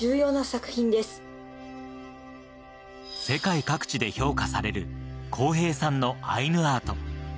世界各地で評価される康平さんのアイヌアート。